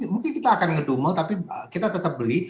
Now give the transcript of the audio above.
mungkin kita akan ngedumal tapi kita tetap beli